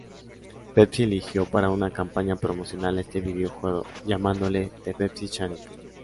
Pepsi eligió para una campaña promocional este videojuego llamándole "The Pepsi Challenge".